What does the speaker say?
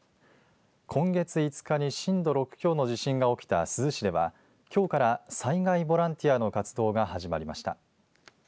今月５日に震度６強の地震が起きた珠洲市ではきょうから災害ボランティアの活動が始まりました。